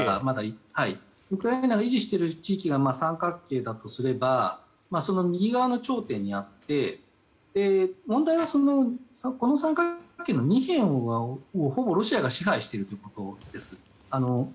ウクライナが維持している地域が三角形だとすればその右側の頂点にあって問題はこの三角形の二辺をほぼロシアが支配していることです。